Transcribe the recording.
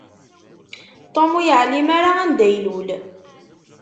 Tom ur yeεlim ara anda ilul.